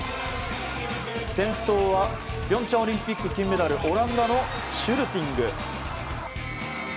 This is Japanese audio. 先頭は平昌オリンピック金メダルオランダのシュルティング。